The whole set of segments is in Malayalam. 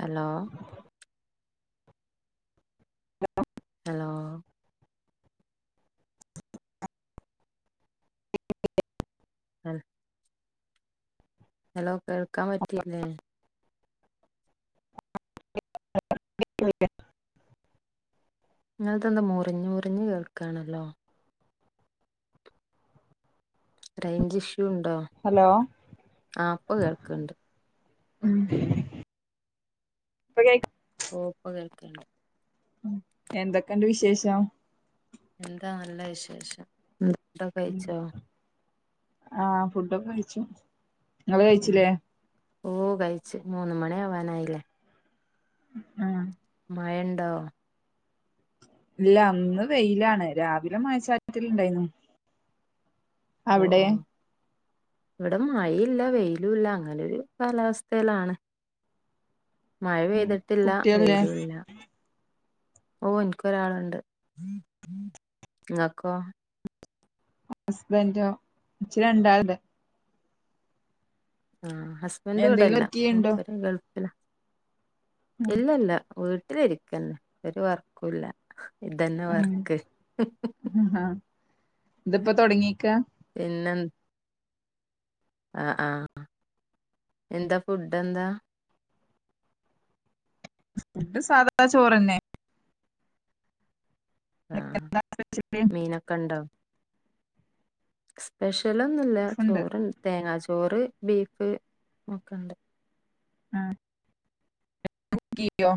ഹലോ. [inaudible] ഹലോ. [inaudible] ഹലോ കേൾക്കാൻ പറ്റില്ലേ? [inaudible] നിങ്ങത എന്താ മുറിഞ്ഞ് മുറിഞ്ഞ് കേൾക്കാണല്ലോ. റേഞ്ച് ഇഷ്യൂ ഉണ്ടോ. ഹലോ ആ ഇപ്പൊ കേൾക്കണ്ട് ഉം. [unintelligible] ഓ പോ കേൾക്കണ്ട്. എന്തൊക്കെണ്ട് വിശേഷം. എന്താ നല്ല വിശേഷം ഫുടൊക്കെ കഴിച്ചോ. ആഹ് ഫുഡൊക്കെ കഴിച്ചു നിങ്ങള് കഴിച്ചില്ലേ. ഓഹ് കഴ്ച്ച് മൂന്ന മണി ആവാനായില്ലേ. ഉം മയണ്ടോ? ഇല്ല ഇന്ന് വെയിലാണ് രാവിലെ മഴച്ചാറ്റല്ൽ ഉണ്ടായിന്നു. ഓഹ് ഇവിടെ മഴില്ല വെയിലും ഇല്ല അങ്ങനെരു കാലാവസ്ഥയിലാണ്. മഴ ഉം പെയ്തിട്ടില്ല കുട്ടികളില്ലേ വെയിലുംല്ല. ഓഹ് എനിക്കൊരാളുണ്ട് ഇങ്ങക്കോ. ഹസ്ബൻഡോ ഇച്ച് രണ്ടാളുണ്ട്. ആഹ് ഹസ്ബൻണ്ട് എന്തെങ്കിലും ഇവിടെല്ല വർക്ക് ചെയ്യ്ണ്ടോ മുപ്പര് ഗൾഫില. ഉം ഇല്ല ഇല്ല വീട്ടിലിരിക്കന്നേ ഒരു വർകുല്ല. ഇതന്നെ വർക്ക്. ഹ ഹ ത്പ്പൊ തൊടങ്ങീക്ക? പിന്നെന് ആ ആഹ് എന്താ ഫുഡെന്താ? ഫുഡ് സാദാ ചോറെന്നെ. ആഹ് മീനൊക്കണ്ടൊ? സ്പെഷ്യലൊന്നുല്ല ഉണ്ട് ചോറ് തേങ്ങാ ചോറ് ബീഫ് ഒക്കെണ്ട്. ആഹ് [unintelligible] കുക്കിയോ?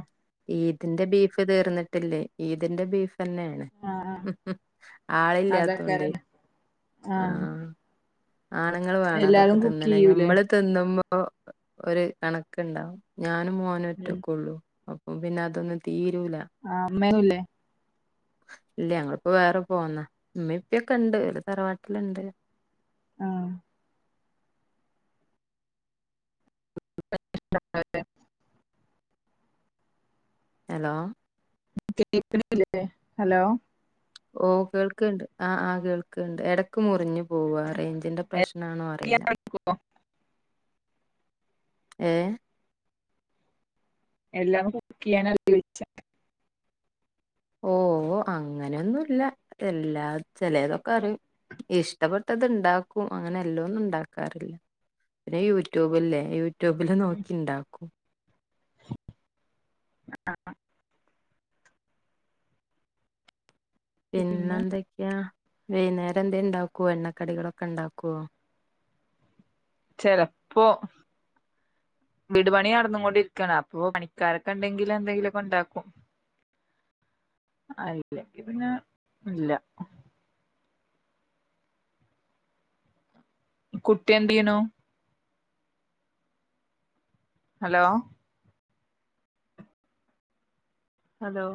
ഈദിന്റെ ബീഫ് തീർന്നിട്ടില്ലേ ഈദിന്റെ ബീഫന്നെണ്. ആഹ് ഹു ഹും ആഹ് ആളില്ലാത്തൊണ്ട് അതാക്കാരല്ലേ ആഹ്. ആണുങ്ങള് വേണം തൊക്കെ എല്ലാരും തിന്നണേ കുക്കെയ്യൂലേ ഞമ്മള്. തിന്നുമ്പോ ഒരു കണക്കുണ്ടാവും ഞാനും മോനും ഉം ഒറ്റക്കോള്ളൂ. അപ്പൊ പിന്നെ അതൊന്നും തീരൂല. ആഹ് അമ്മേന്നുല്ലേ? ഇല്ല ഞങ്ങളിപ്പോ വേറെ പോന്ന ഉമ്മ ഇപ്പൊക്കെണ്ട് ഓല് തറവാട്ടില്ണ്ട്. ആഹ് [inaudible] ഹലോ. കേക്ക്ണില്ലേ ഹലോ ഓ കേൾക്ക്ണ്ട് ആഹ് ആഹ് കേൾക്ക്ണ്ട് എടക്ക് മുറിഞ്ഞു പോവാ റേഞ്ചിന്റെ പ്രശ്നാണോ അറിയില്ല. [unintelligible] ഏഹ് എല്ലാം കുക്കെയ്യാനറിയൊയിച്ചാ ഓ ഓഹ് അങ്ങനെന്നുംല്ല എല്ലാ ചെലേതൊക്കെറിയും. ഇഷ്ടപ്പെട്ടത്ണ്ടാക്കും അങ്ങനെ എല്ലോന്നുംണ്ടാക്കാറില്ല. പിന്നെ യൂടൂബ്‌ല്ലേ യൂടൂബില് നോക്കിണ്ടാക്കും [inaudible] പിന്നെ പിന്നെന്തൊക്കാ വൈന്നേരം ന്തെണ്ടാക്കുവോ? എണ്ണക്കടികളൊക്കെണ്ടാക്കോ? ചെലപ്പോ വീട് പണി നടന്ന്കൊണ്ടിരിക്കാണ് അപ്പോ പണിക്കാരൊക്കെണ്ടെങ്കില് എന്തെങ്കിലൊക്കെണ്ടാക്കും. അയില്ലേപിന്നെല്ല. കുട്ടി എന്തെയ്യ്ണു? Hello hello